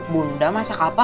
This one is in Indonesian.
bunda masak apa